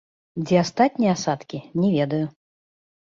Дзе астатнія асадкі, не ведаю.